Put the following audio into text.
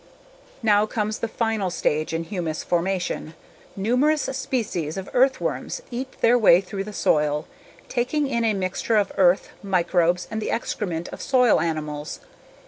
Now comes the final stage in humus formation. Numerous species of earthworms eat their way through the soil, taking in a mixture of earth, microbes, and the excrement of soil animals.